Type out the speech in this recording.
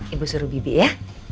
ibu suruh bibi ya